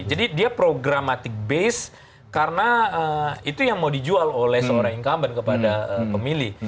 jadi dia programatik base karena itu yang mau dijual oleh seorang incumbent kepada pemilih